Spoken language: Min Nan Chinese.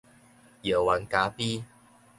藥丸咖啡